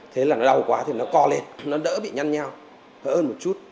thế là nó đau quá thì nó co lên nó đỡ bị nhăn nhau hơi ơn một chút